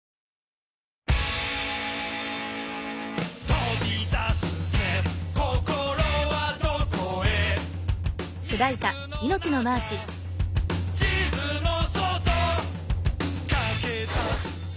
「飛び出すぜ心はどこへ」「水の中地図の外」「駆け出すぜ」